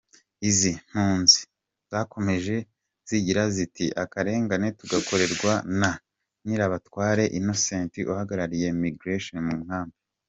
Izi mpunzi zakomeje zigira ziti: “Akarengane tugakorerwa na Ngirabatware Innocent uhagarariye Migration mu nkambi.